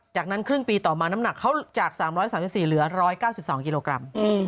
จากนั้นครึ่งปีต่อมาน้ำหนักเขาจาก๓๓๔เหลือ๑๙๒กิโลกรัม